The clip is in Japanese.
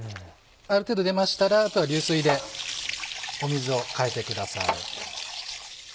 ある程度出ましたらあとは流水で水を変えてください。